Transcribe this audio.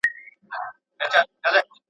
خو په شا یې وړل درانه درانه بارونه.